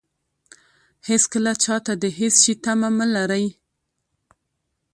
هېڅکله چاته د هېڅ شي تمه مه لرئ.